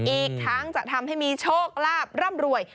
อีกทั้งจะทำให้มีโชคลาภร่ำรวย